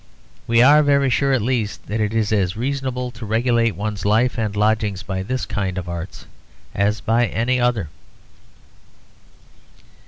We are very sure, at least, that it is as reasonable to regulate one's life and lodgings by this kind of art as by any other.